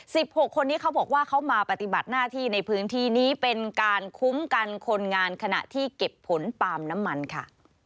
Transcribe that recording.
หกคนนี้เขาบอกว่าเขามาปฏิบัติหน้าที่ในพื้นที่นี้เป็นการคุ้มกันคนงานขณะที่เก็บผลปาล์มน้ำมันค่ะ